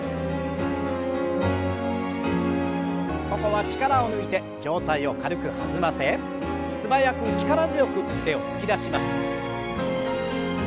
ここは力を抜いて上体を軽く弾ませ素早く力強く腕を突き出します。